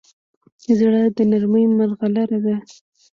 زړه د نرمۍ مرغلره ده.